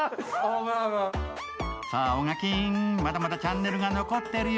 さぁ、オガキン、まだまだチャンネルが残ってるよ。